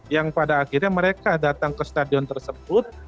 yang pada akhirnya mereka datang ke stadion tersebut